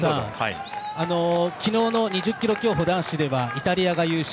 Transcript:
昨日の２０ｋｍ競歩男子ではイタリアが優勝